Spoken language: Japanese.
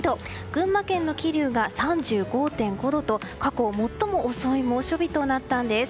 群馬県の桐生が３５．５度と過去最も遅い猛暑日となったんです。